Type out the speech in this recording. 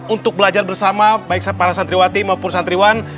untuk belajar bersama baik para santriwati maupun santriwan